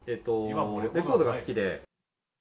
レコードが好きで。